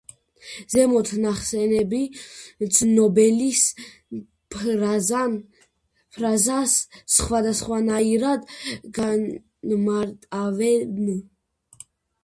ზემოთ ნახსენები ნობელის ფრაზას სხვადასხვანაირად განმარტავენ.